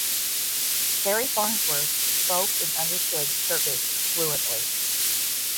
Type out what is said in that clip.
Carrie Farnsworth spoke and understood Turkish fluently.